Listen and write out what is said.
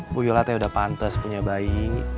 bu yolatai udah pantes punya bayi